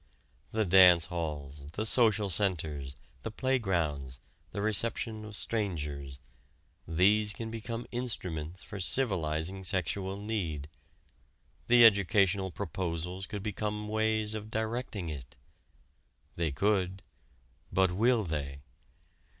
The dance halls, the social centers, the playgrounds, the reception of strangers these can become instruments for civilizing sexual need. The educational proposals could become ways of directing it. They could, but will they?